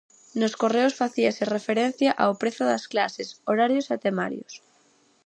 Nos correos facíase referencia ao prezo das clases, horarios e temarios.